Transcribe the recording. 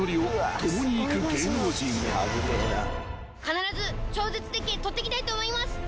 必ず超絶絶景撮ってきたいと思います。